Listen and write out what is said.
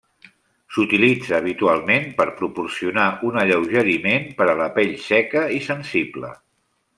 S'utilitza habitualment per proporcionar un alleugeriment per a la pell seca i sensible.